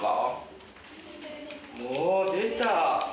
お出た。